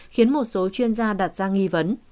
khiến một số chuyên gia đặt ra nghi vấn